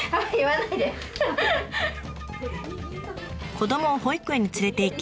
子どもを保育園に連れていき